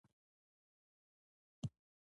کمپاس د لوري معلومولو وسیله ده.